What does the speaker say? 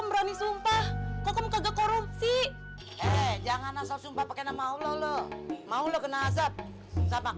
berani sumpah kok kegagal rupsi jangan asal sumpah pakai nama allah mauloh kena azab sama